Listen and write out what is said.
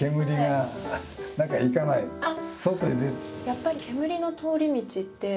やっぱり煙の通り道って。